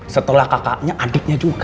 setelah kakaknya adiknya juga